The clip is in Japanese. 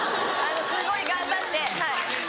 すごい頑張ってはい。